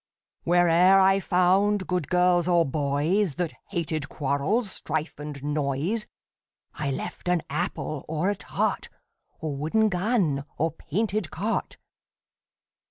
Where e'er I found good girls or boys, That hated quarrels, strife and noise, I left an apple, or a tart, Or wooden gun, or painted cart.